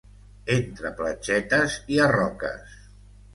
Entre platgetes hi ha roques.